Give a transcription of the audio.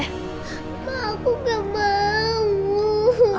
ma aku gak mau